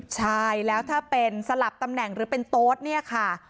ใช่แล้วถ้าเป็นสลับตำแหน่งหรือเป็นโต๊ดเนี่ยค่ะ